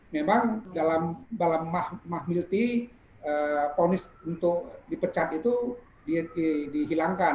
memang dalam dalam mahmilti ponis untuk dipecat itu dihilangkan